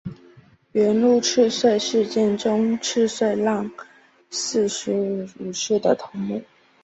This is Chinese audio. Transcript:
元禄赤穗事件中赤穗浪士四十七武士的头目。